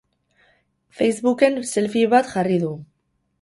Facebooken selfie bat jarri du.